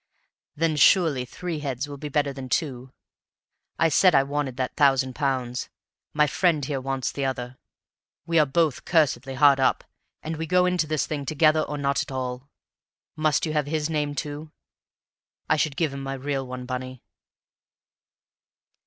"Then surely three heads will be better than two. I said I wanted that thousand pounds; my friend here wants the other. We are both cursedly hard up, and we go into this thing together or not at all. Must you have his name too? I should give him my real one, Bunny."